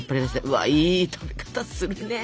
うわいい取り方するね。